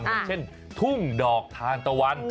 อย่างเช่นทุ่งดอกทานตะวัน